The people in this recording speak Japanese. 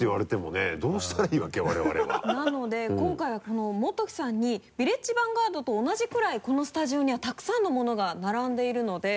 なので今回はモトキさんに「ヴィレッジヴァンガード」と同じくらいこのスタジオにはたくさんの物が並んでいるので。